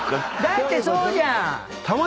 だってそうじゃん！